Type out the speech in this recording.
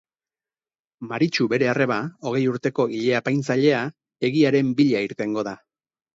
Maritxu bere arreba, hogei urteko ile-apaintzailea, egiaren bila irtengo da.